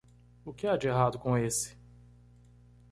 O que há de errado com esse?